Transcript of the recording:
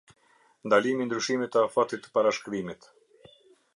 Ndalimi i ndryshimit të afatit të parashkrimit.